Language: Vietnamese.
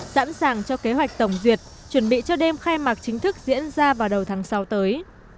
sẵn sàng cho kế hoạch tổng duyệt chuẩn bị cho đêm khai mạc chính thức diễn ra vào đầu tháng sáu tới